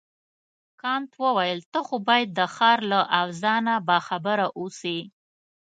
کانت وویل ته خو باید د ښار له اوضاع نه باخبره اوسې.